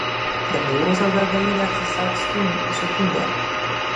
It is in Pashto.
د میوو سوداګري د اقتصاد ستون ده.